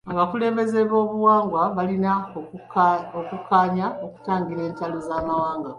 Abakulembeze b'obuwangwa balina okukkanyi okutangira entalo z'amawanga.